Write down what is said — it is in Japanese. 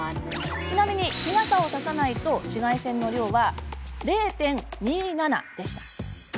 ちなみに、日傘を差さないと紫外線の量は０．２７でした。